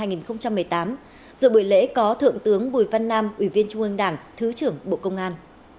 dự buổi lễ có thượng tướng bùi văn nam ủy viên trung ương đảng thứ trưởng bộ công an